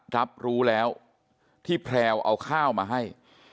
รับรู้แล้วที่แพลวเอาข้าวมาให้